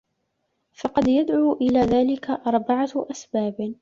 فَقَدْ يَدْعُو إلَى ذَلِكَ أَرْبَعَةُ أَسْبَابٍ